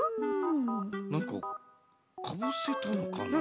なんかかぶせたのかな？